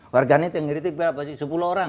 warganet yang kritik pasti sepuluh orang